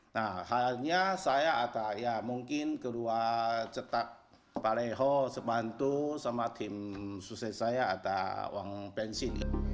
nah halnya saya ada ya mungkin kedua cetak paleho semantu sama tim susit saya ada uang pensi